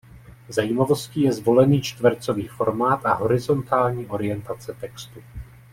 Zajímavostí je zvolený čtvercový formát a horizontální orientace textu.